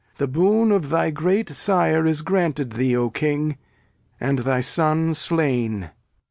The boon of thy great Sire Is granted thee, O King, and thy son slain.